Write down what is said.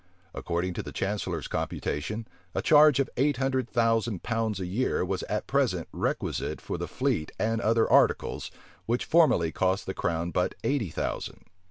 According to the chancellor's computation, a charge of eight hundred thousand pounds a year was at present requisite for the fleet and other articles, which formerly cost the crown but eighty thousand.